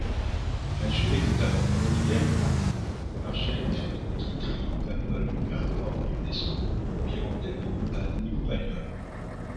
A joué notamment Molière, Marivaux, Beaumarchais, Feydeau, Guitry, Pagnol, Vercors, Ionesco, Pirandello, Anouilh, Pagnol.